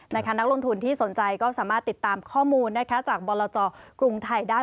นักลงทุนที่สนใจก็สามารถติดตามข้อมูลจากบรจกรุงไทยได้